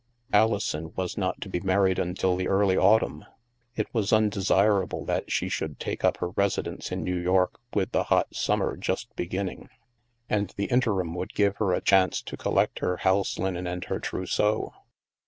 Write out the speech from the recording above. Alison was not to be married until the early autumn. It was undesirable that she should take up her residence in New York, with the hot sum mer just beginning, and the interim would give her a chance to collect her house linen and her trousseau.